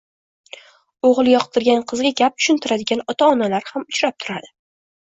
O‘g‘li yoqtirgan qizga gap tushuntiradigan ota-onalar ham uchrab turadi.